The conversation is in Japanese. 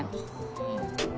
うん。